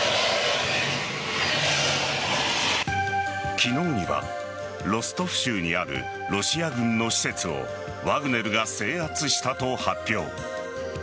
昨日にはロストフ州にあるロシア軍の施設をワグネルが制圧したと発表。